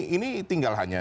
ini tinggal hanya